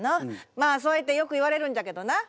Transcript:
まあそういってよく言われるんじゃけどな。